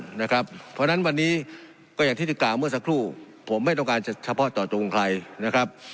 เพราะฉะนั้นวันนี้ก็อย่างที่ที่กล่าวเมื่อสักครู่ผมไม่ต้องการเฉพาะต่อตรงใคร